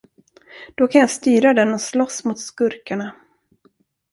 Då kan jag styra den och slåss mot skurkarna!